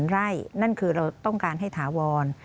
ไร่นั่นคือเราต้องการให้ถาวร